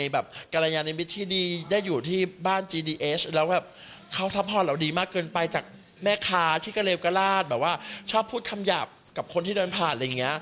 แบบว่าชอบพูดคำหยาบกับคนที่เดินผ่านอะไรอย่างนี้